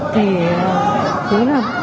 thì cứ là